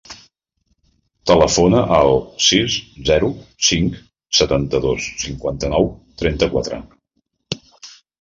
Telefona al sis, zero, cinc, setanta-dos, cinquanta-nou, trenta-quatre.